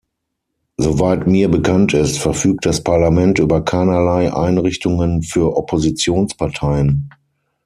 Soweit mir bekannt ist, verfügt das Parlament über keinerlei Einrichtungen für Oppositionsparteien.